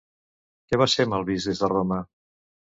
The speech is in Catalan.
Què va ser mal vist des de Roma?